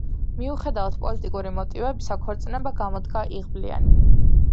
მიუხედავად პოლიტიკური მოტივებისა, ქორწინება გამოდგა იღბლიანი.